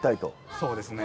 そうですね